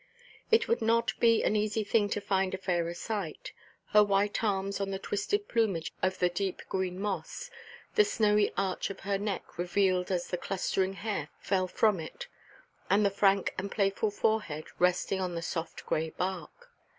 It would not be an easy thing to find a fairer sight. Her white arms on the twisted plumage of the deep green moss, the snowy arch of her neck revealed as the clustering hair fell from it, and the frank and playful forehead resting on the soft grey bark.